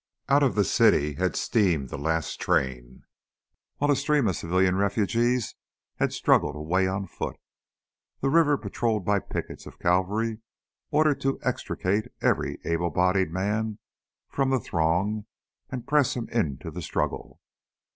Out of the city had steamed the last train while a stream of civilian refugees had struggled away on foot, the river patrolled by pickets of cavalry ordered to extricate every able bodied man from the throng and press him into the struggle.